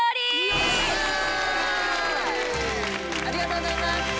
ありがとうございます。